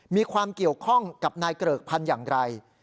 มีความเกี่ยวข้องกับนายเกริกพันธุ์อย่างไร